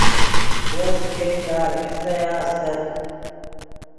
وس یئے دے آجستایا استت